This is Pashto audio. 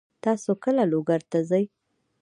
تاسو کله لوګر ته ځئ؟